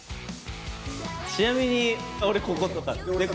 ちなみに俺こことか。